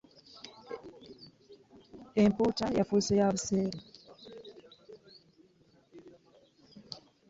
Empuuta yafuuse yabuseere .